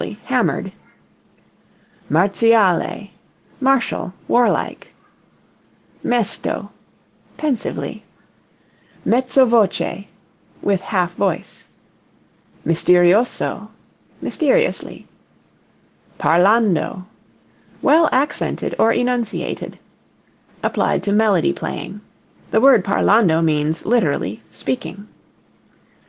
hammered). Marziale martial war like. Mesto pensively. Mezzo voce with half voice. Misterioso mysteriously. Parlando well accented or enunciated; applied to melody playing. (The word parlando means literally speaking.)